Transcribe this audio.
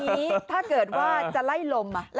พี่ทำยังไงฮะ